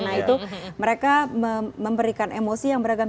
nah itu mereka memberikan emosi yang beragam